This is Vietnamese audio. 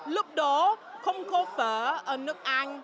lúc đó không có phở ở nước anh